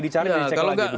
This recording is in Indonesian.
dicari dan dicek lagi begitu